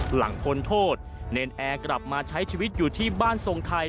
หลังพ้นโทษเนรนแอร์กลับมาใช้ชีวิตอยู่ที่บ้านทรงไทย